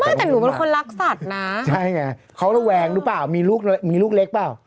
ไม่แต่หนูเป็นคนรักสัตว์น่ะใช่ไงคอต้นแหวงหรือเปล่ามีลูกเล็กเปล่า